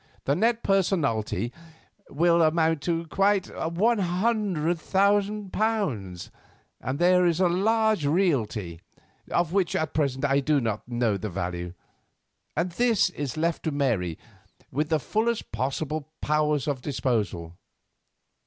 The net personalty will amount to quite £100,000, and there is large realty, of which at present I do not know the value. All this is left to Mary with the fullest possible powers of disposal.